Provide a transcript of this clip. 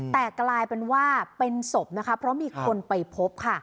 แต่กลายเป็นว่าเป็นศพนะคะเพราะมีคนไปพบค่ะ